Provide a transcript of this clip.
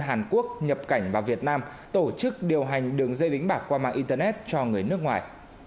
hàn quốc nhập cảnh vào việt nam tổ chức điều hành đường dây đánh bạc qua mạng internet cho người nước ngoài